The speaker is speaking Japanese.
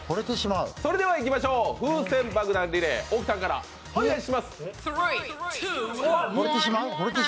それでいきましょう、風船爆弾リレー、大木さんからお願いします。